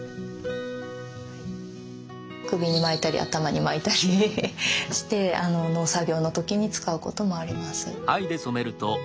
首に巻いたり頭に巻いたりして農作業の時に使うこともあります。